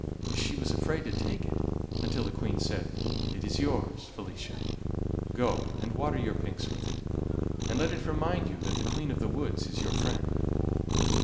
She was afraid to take it until the Queen said: "It is yours, Felicia; go and water your pinks with it, and let it remind you that the Queen of the Woods is your friend."